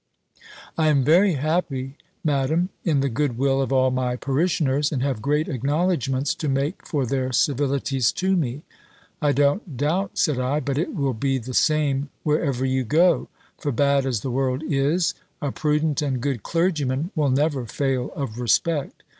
"I am very happy. Madam, in the good will of all my parishioners, and have great acknowledgments to make for their civilities to me." "I don't doubt," said I, "but it will be the same wherever you go; for bad as the world is, a prudent and good clergyman will never fail of respect.